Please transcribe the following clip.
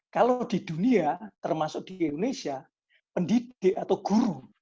kalau di dunia termasuk di indonesia pendidik atau guru